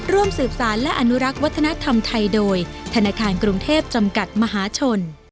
ร่วมสืบสารและอนุรักษ์วัฒนธรรมไทยโดยธนาคารกรุงเทพจำกัดมหาชน